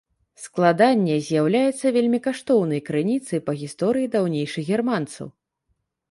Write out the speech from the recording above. Складанне з'яўляецца вельмі каштоўнай крыніцай па гісторыі даўнейшых германцаў.